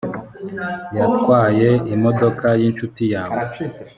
yatwaye imodoka y’inshuti yawe